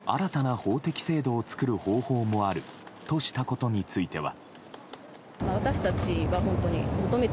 また、判決で婚姻に似た新たな法的制度を作る方法もあるとしたことについては。